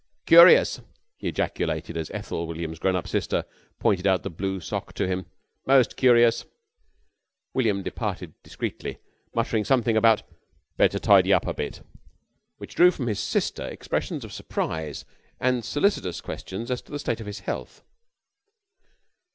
"Curious!" he ejaculated, as Ethel, William's grown up sister, pointed out the blue sock to him. "Most curious!" William departed discreetly muttering something about "better tidy up a bit," which drew from his sister expressions of surprise and solicitous questions as to his state of health.